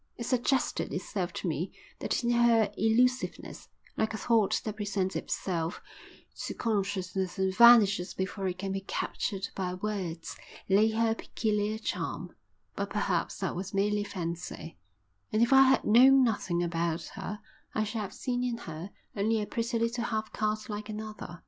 It suggested itself to me that in her elusiveness, like a thought that presents itself to consciousness and vanishes before it can be captured by words, lay her peculiar charm; but perhaps that was merely fancy, and if I had known nothing about her I should have seen in her only a pretty little half caste like another.